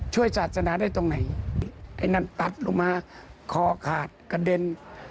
ช่วยศาสนาได้ตรงไหนไอ้นั่นตัดลงมาคอขาดกระเด็น